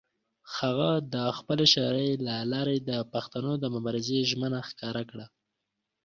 هغه د خپلې شاعرۍ له لارې د پښتنو د مبارزې ژمنه ښکاره کړه.